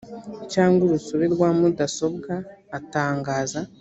cyangwa urusobe rwa mudasobwa atangaza